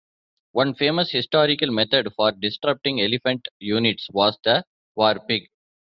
One famous historical method for disrupting elephant units was the war pig.